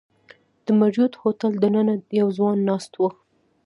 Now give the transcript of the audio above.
د مریوټ هوټل دننه یو ځوان ناست و.